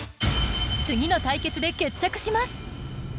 次の対決で決着します。